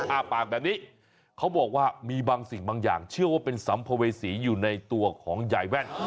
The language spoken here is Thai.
อ้าปากแบบนี้เขาบอกว่ามีบางสิ่งบางอย่างเชื่อว่าเป็นสัมภเวษีอยู่ในตัวของยายแว่น